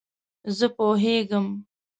زه پوهیږم